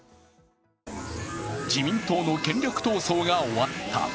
自民党の権力闘争が終わった。